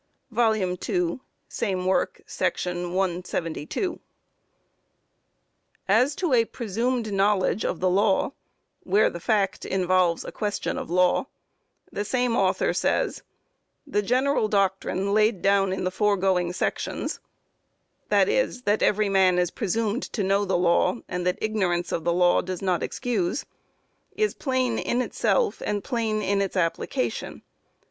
'" (2 Id. §172.) As to a presumed knowledge of the law, where the fact involves a question of law, the same author says: "The general doctrine laid down in the foregoing sections," (i.e. that every man is presumed to know the law, and that ignorance of the law does not excuse,) "is plain in itself and plain in its application.